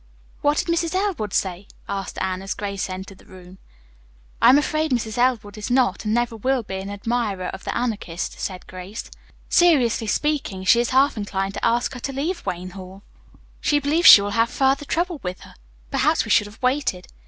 "What did Mrs. Elwood say?" asked Anne as Grace entered the room. "I am afraid Mrs. Elwood is not, and never will be, an admirer of the Anarchist," said Grace. "Seriously speaking, she is half inclined to ask her to leave Wayne Hall. She believes she will have further trouble with her. Perhaps we should have waited.